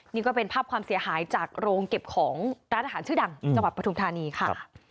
นี่ก็เป็นภาพความเสียหายจากโรงเก็บของร้านอาหารชื่อดังจังหวัดปฐุมธานีค่ะ